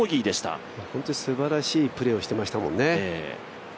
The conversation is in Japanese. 本当にすばらしいプレーをしていましたもんね。